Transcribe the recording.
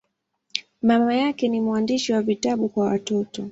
Mama yake ni mwandishi wa vitabu kwa watoto.